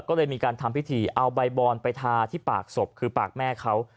ก็เลยมีการทำพิธีเอาใบบอนไปทาที่ปากศพคือปากแม่เขา